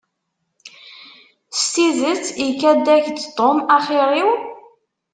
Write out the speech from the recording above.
S tidet ikad-ak-d Tom axir-iw?